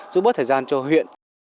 giúp bớt thời gian cho huyện